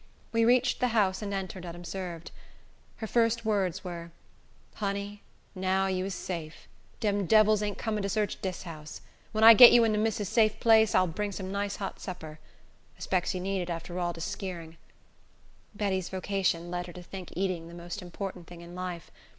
We reached the house and entered unobserved. Her first words were: "Honey, now you is safe. Dem devils ain't coming to search dis house. When I get you into missis' safe place, I will bring some nice hot supper. I specs you need it after all dis skeering." Betty's vocation led her to think eating the most important thing in life.